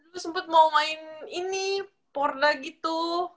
lu sempet mau main ini porda gitu